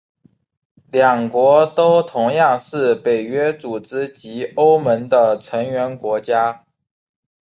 两国都同样是北约组织及欧盟的成员国家。